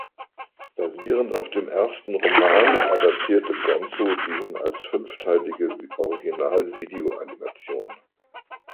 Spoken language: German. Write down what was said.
Basierend auf dem ersten Roman adaptierte Gonzo diesen als fünfteilige Original Video Animation.